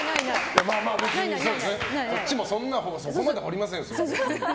こっちもそんなそこまで掘りませんよ。